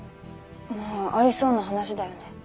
まぁありそうな話だよね。